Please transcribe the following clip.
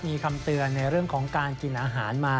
มีคำเตือนในเรื่องของการกินอาหารมา